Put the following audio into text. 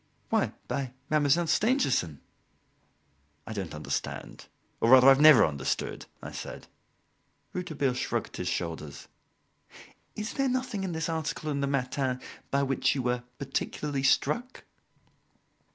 "Why by Mademoiselle Stangerson." "I don't understand, or rather, I have never understood," I said. Rouletabille shrugged his shoulders. "Is there nothing in this article in the 'Matin' by which you were particularly struck?"